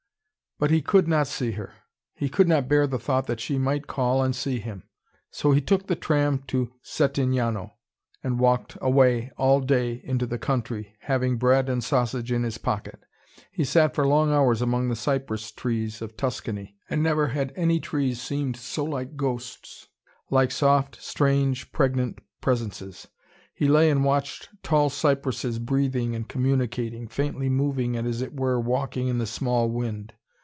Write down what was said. But he could not see her. He could not bear the thought that she might call and see him. So he took the tram to Settignano, and walked away all day into the country, having bread and sausage in his pocket. He sat for long hours among the cypress trees of Tuscany. And never had any trees seemed so like ghosts, like soft, strange, pregnant presences. He lay and watched tall cypresses breathing and communicating, faintly moving and as it were walking in the small wind.